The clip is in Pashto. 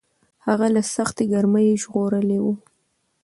هغه له سختې ګرمۍ ژغورلی و.